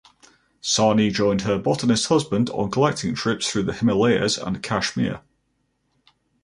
Sahni joined her botanist husband on collecting trips through the Himalayas and Kashmir.